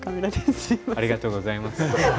ありがとうございます。